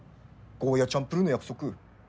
ゴーヤーチャンプルーの約束。